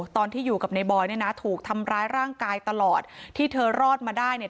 ตอนที่อยู่กับในบอยเนี่ยนะถูกทำร้ายร่างกายตลอดที่เธอรอดมาได้เนี่ย